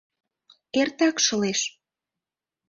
Эртак шылеш.